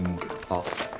あっ。